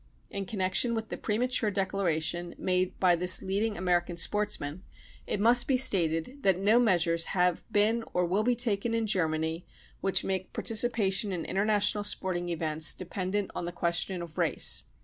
In connection with the premature declaration made by this leading American sportsman, it must be stated that no measures have been or will be taken in Germany which make participation in international sporting events dependent on the question of race.